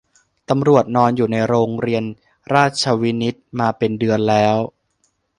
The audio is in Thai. ตำรวจนอนอยู่ในโรงเรียนราชวินิตมาเป็นเดือนแล้ว